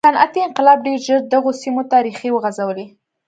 صنعتي انقلاب ډېر ژر دغو سیمو ته ریښې وغځولې.